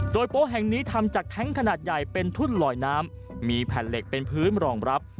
โดยโป๊ะแห่งนี้ทำจากแท้งขนาดใหญ่เป็นทุ่นลอยน้ำมีแผ่นเหล็กเป็นพื้นรองรับ